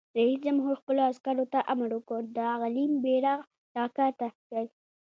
رئیس جمهور خپلو عسکرو ته امر وکړ؛ د غلیم بیرغ راکښته کړئ!